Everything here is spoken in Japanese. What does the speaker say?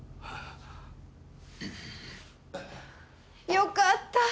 よかった！